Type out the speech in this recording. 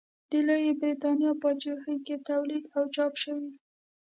د لویې برېتانیا پاچاهۍ کې تولید او چاپ شوي دي.